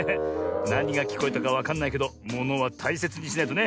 なにがきこえたかわかんないけどものはたいせつにしないとね。